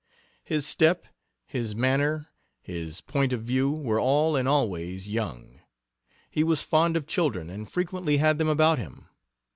His step, his manner, his point of view, were all and always young. He was fond of children and frequently had them about him.